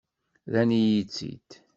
Rran-iyi-tt-id.